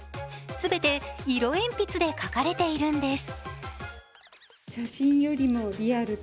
全て色鉛筆で描かれているんです。